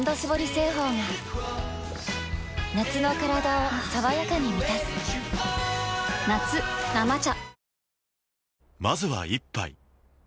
製法が夏のカラダを爽やかに満たす夏「生茶」